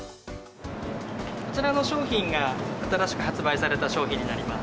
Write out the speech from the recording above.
こちらの商品が、新しく発売された商品になります。